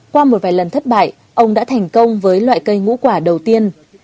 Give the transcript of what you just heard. qua một vài lần thất bại ông đã thành công với loại cây ngũ quả đầu tiên